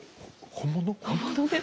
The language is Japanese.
本物です！